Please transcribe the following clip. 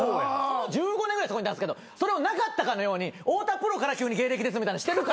１５年ぐらいそこいたんですけどそれをなかったかのように太田プロから急に芸歴ですみたいにしてるから。